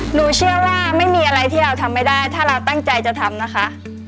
หนูเชื่อว่าไม่มีอะไรที่เราทำไม่ได้ถ้าเราตั้งใจจะทำนะคะ